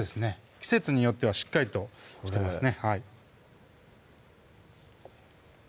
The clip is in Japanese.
季節よってはしっかりとしてますね